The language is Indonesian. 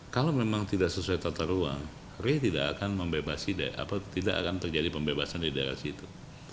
kalau memang tidak sesuai tata ruang re tidak akan membebasi tidak akan terjadi pembebasan di daerah situ